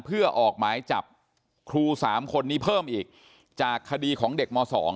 เพื่อออกหมายจับครู๓คนนี้เพิ่มอีกจากคดีของเด็กม๒